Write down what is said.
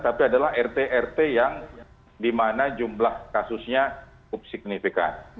tapi adalah rt rt yang di mana jumlah kasusnya signifikan